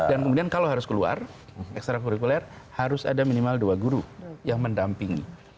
dan kemudian kalau harus keluar ekstra kurikuler harus ada minimal dua guru yang mendampingi